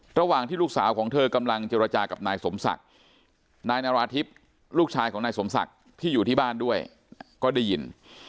ระหว่างที่ลูกสาวของเธอกำลังเจรจากับนายสมศักดิ์นายนาราธิบลูกชายของนายสมศักดิ์ที่อยู่ที่บ้านด้วยก็ได้ยิน